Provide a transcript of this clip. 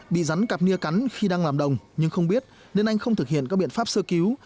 bị rắn cặp nia cắn khi đang làm đồng nhưng không biết nên anh không thực hiện các biện pháp sơ cứu